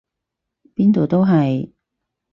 邊度都係！